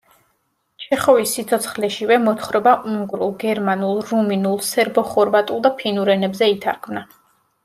ჩეხოვის სიცოცხლეშივე მოთხრობა უნგრულ, გერმანულ, რუმინულ, სერბო-ხორვატულ და ფინურ ენებზე ითარგმნა.